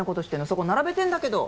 そこ並べてんだけど。